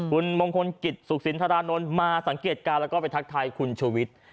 คุณมงคลกิจสุขศิลป์ธารานนท์มาสังเกตกาลแล้วก็ไปทักทายคุณชุวิต